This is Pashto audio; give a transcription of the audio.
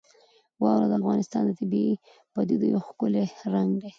واوره د افغانستان د طبیعي پدیدو یو ښکلی رنګ دی.